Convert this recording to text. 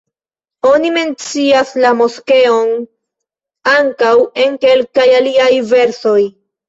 Oni mencias la moskeon ankaŭ en kelkaj aliaj versoj.